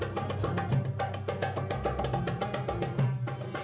warga kelurahan kijang kota bintan timur kabupaten bintan ini memainkan gambus sejak tahun dua ribu lima